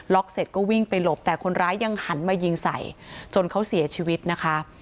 เสร็จก็วิ่งไปหลบแต่คนร้ายยังหันมายิงใส่จนเขาเสียชีวิตนะคะ